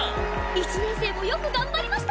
１年生もよく頑張りました。